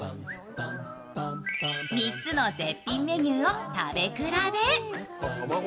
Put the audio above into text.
３つの絶品メニューを食べ比べ。